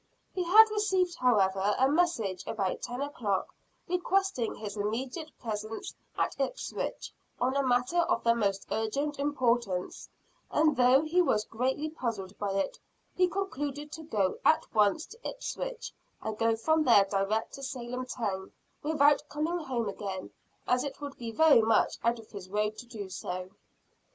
He had received however a message about ten o'clock, requesting his immediate presence at Ipswich, on a matter of the most urgent importance; and though he was greatly puzzled by it, he concluded to go at once to Ipswich and go from there direct to Salem town, without coming home again, as it would be very much out of his road to do so.